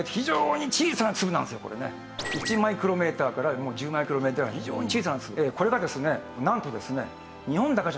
１マイクロメーターから１０マイクロメーター非常に小さな粒。